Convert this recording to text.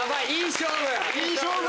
いい勝負！